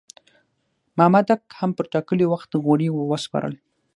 مامدک هم پر ټاکلي وخت غوړي ور وسپارل.